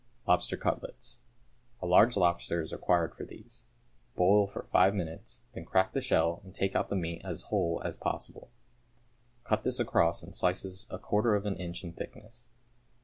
=Lobster Cutlets.= A large lobster is required for these. Boil for five minutes, then crack the shell and take out the meat as whole as possible. Cut this across in slices a quarter of an inch in thickness.